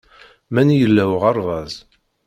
Mani yella uɣerbaz